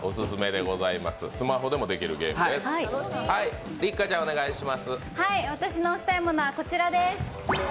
スマホでもできるゲームです。